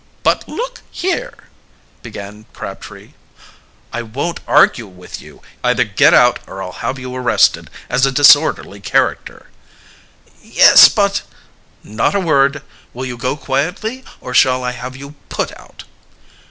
"But look here " began Crabtree. "I won't argue with you. Either get out or I'll have you arrested as a disorderly character." "Yes, but " "Not a word. Will you go quietly, or shall I have you put out?"